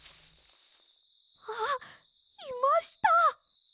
あっいました！